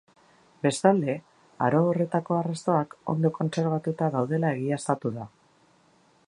Bestalde, aro horretako arrastoak ondo kontserbatuta daudela egiaztatu da.